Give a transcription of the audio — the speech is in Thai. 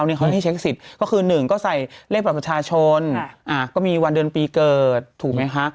นี่เขาให้เช็คสิทธิ์ก็คือ๑ก็ใส่เลขบัตรประชาชนก็มีวันเดือนปีเกิดถูกไหมคะ